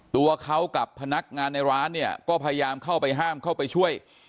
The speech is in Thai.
ตัวเขากับพนักงานในร้านเนี่ยก็พยายามเข้าไปห้ามเข้าไปช่วย